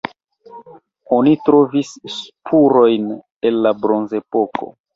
Oni trovis spurojn el la bronzepoko.